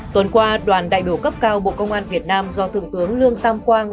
tuần qua đoàn đại biểu cấp cao bộ công an việt nam do thượng tướng lương tam quang